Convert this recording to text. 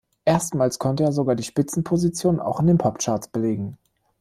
Erstmals konnte er sogar die Spitzenposition auch in den Pop-Charts belegen.